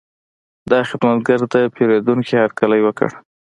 دا خدمتګر د پیرودونکي هرکلی وکړ.